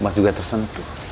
mas juga tersentuh